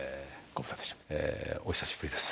お久しぶりです。